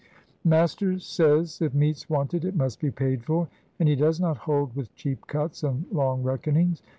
"'Master says if meat's wanted it must be paid for, and he does not hold with cheap cuts and long reckonings.'